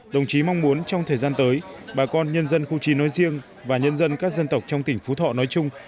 đồng chí mong muốn trong thời gian tới bà con nhân dân khu trí nói riêng và nhân dân các dân tộc trong tỉnh phú thọ nói chung